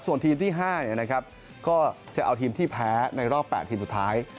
ส่วนทีมที่ห้าเนี่ยนะครับก็จะเอาทีมที่แพ้ในรอบแปดทีมสุดท้าย